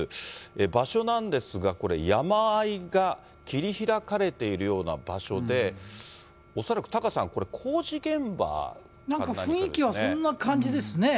場所なんですが、これ、山あいが切り開かれているような場所で、恐らくタカさん、これ、なんか雰囲気はそんな感じですね。